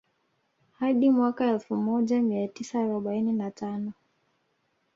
Hadi mwaka Elfu moja mia tisa arobaini na tano